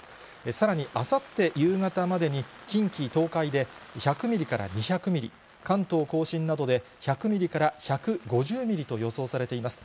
さらにあさって夕方までに、近畿、東海で１００ミリから２００ミリ、関東甲信などで１００ミリから１５０ミリと予想されています。